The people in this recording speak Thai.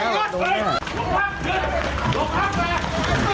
นี่นี่นี่นี่นี่นี่นี่นี่นี่